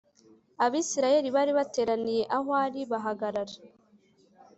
Abisirayeli bari bateraniye aho ari bahagarara